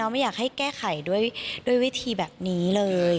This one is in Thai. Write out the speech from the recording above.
ไม่อยากให้แก้ไขด้วยวิธีแบบนี้เลย